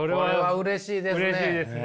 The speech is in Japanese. うれしいですね。